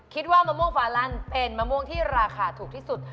มะม่วงฟาลันเป็นมะม่วงที่ราคาถูกที่สุด